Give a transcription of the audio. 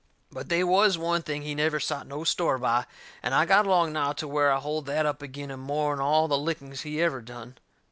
But they was one thing he never sot no store by, and I got along now to where I hold that up agin him more'n all the lickings he ever done.